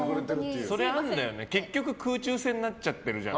結局、空中戦になっちゃってる。